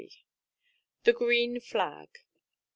THE GREEN FLAG.